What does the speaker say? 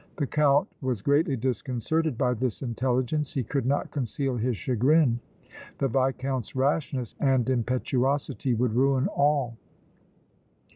The Count was greatly disconcerted by this intelligence; he could not conceal his chagrin. The Viscount's rashness and impetuosity would ruin all!